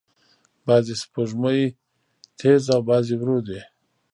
بعضې سپوږمۍ تیز او بعضې ورو دي.